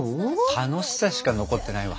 楽しさしか残ってないわ。